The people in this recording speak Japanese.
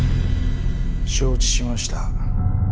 承知しました。